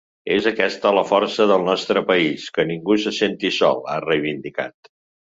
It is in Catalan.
“És aquesta la força del nostre país, que ningú se senti sol”, ha reivindicat.